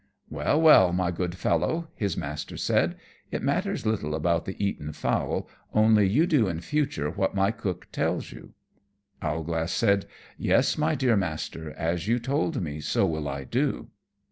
"Well, well, my good Fellow," his master said, "it matters little about the eaten fowl, only you do in future what my cook tells you." Owlglass said, "Yes, my dear Master, as you told me so will I do."